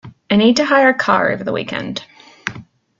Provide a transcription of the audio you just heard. I need to hire a car over the weekend